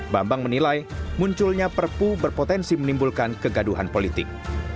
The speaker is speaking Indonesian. bambang menilai munculnya perpu berpotensi menimbulkan kegaduhan politik